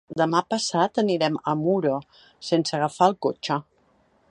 Demà passat anirem a Muro sense agafar el cotxe.